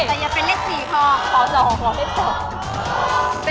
แต่อย่าเป็นเลข๔ค่ะ